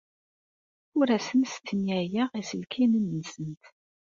Ur asen-stenyayeɣ iselkinen-nsen.